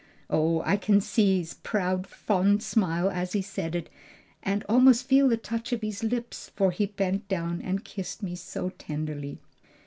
Oh, I can see his proud, fond smile as he said it, and almost feel the touch of his lips; for he bent down and kissed me so tenderly."